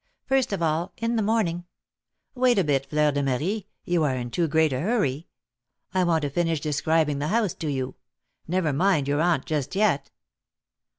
First of all, in the morning " "Wait a bit, Fleur de Marie; you are in too great a hurry. I want to finish describing the house to you; never mind your aunt just yet."